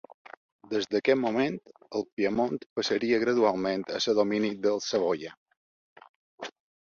Des d'aquest moment el Piemont passaria gradualment a ser domini dels Savoia.